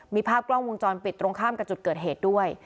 มีภาพกล้องวงจรปิดตรงข้ามกับจุดเกิดเหตุด้วย